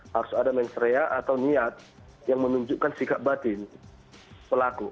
harus ada mensrea atau niat yang menunjukkan sikap batin pelaku